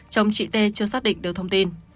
chồng chị t chưa xác định được thông tin